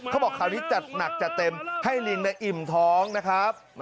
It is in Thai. เขาบอกคราวนี้จัดหนักจัดเต็มให้ลิงอิ่มท้องนะครับ